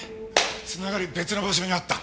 繋がり別の場所にあった！